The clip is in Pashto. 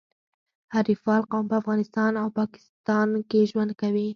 حریفال قوم په افغانستان او پاکستان کي ژوند کوي.